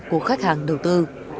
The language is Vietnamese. của khách hàng đầu tư